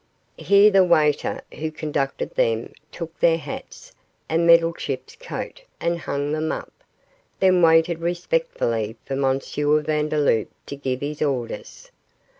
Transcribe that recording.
Here the waiter who conducted them took their hats and Meddlechip's coat and hung them up, then waited respectfully for M. Vandeloup to give his orders.